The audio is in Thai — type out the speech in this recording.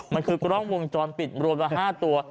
มันคือกล้องวนด้อนปิดรวมมา๕ตัว